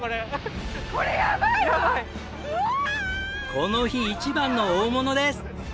この日一番の大物です！